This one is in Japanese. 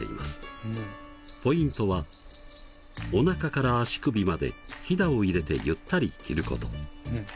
ポイントはおなかから足首までひだを入れてゆったり着ること。